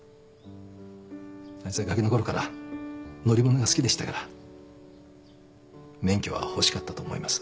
あいつはがきのころから乗り物が好きでしたから免許は欲しかったと思います。